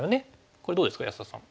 これどうですか安田さん。